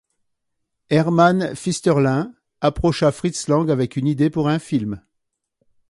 Herman Finsterlin approcha Fritz Lang avec une idée pour un film.